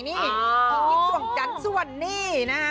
คนที่ส่วนจันทร์ส่วนนี้นะฮะ